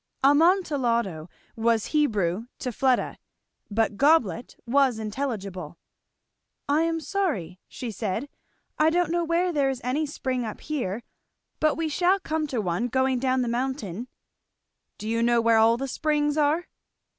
'Amontillado' was Hebrew to Fleda, but 'goblet' was intelligible. "I am sorry!" she said, "I don't know where there is any spring up here, but we shall come to one going down the mountain." "Do you know where all the springs are?"